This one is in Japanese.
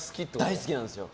大好きなんですよ。